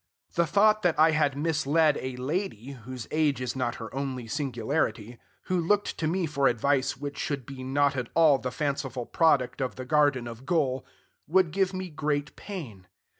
The thought that I had misled a lady, whose age is not her only singularity, who looked to me for advice which should be not at all the fanciful product of the Garden of Gull, would give me great pain.